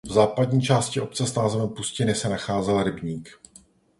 V západní části obce s názvem Pustiny se nacházel rybník.